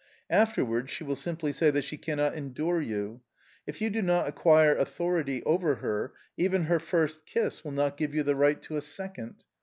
Afterwards she will simply say that she cannot endure you. If you do not acquire authority over her, even her first kiss will not give you the right to a second.